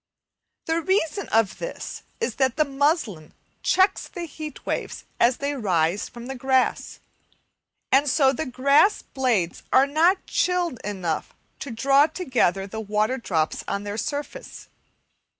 The reason of this is that the muslin checks the heat waves as they rise from the grass, and so the grass blades are not chilled enough to draw together the water drops on their surface.